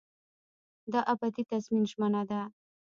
دا ابدي تضمین ژمنه ده.